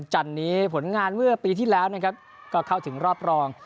จันนี้ผลงานเมื่อปีที่แล้วนะครับก็เข้าถึงรอบรอง